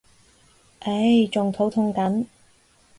唉仲肚痛緊